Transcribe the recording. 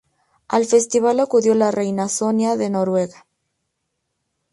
Al festival acudió la reina Sonia de Noruega.